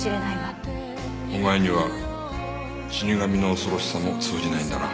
お前には死神の恐ろしさも通じないんだな。